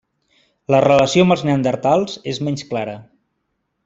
La relació amb els Neandertals és menys clara.